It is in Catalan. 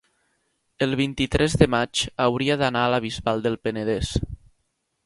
el vint-i-tres de maig hauria d'anar a la Bisbal del Penedès.